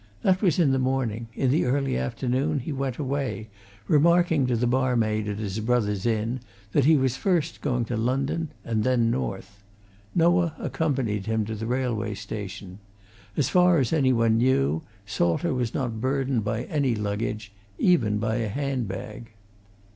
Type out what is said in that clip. That was in the morning in the early afternoon, he went away, remarking to the barmaid at his brother's inn that he was first going to London and then north. Noah accompanied him to the railway station. As far as any one knew, Salter was not burdened by any luggage, even by a handbag.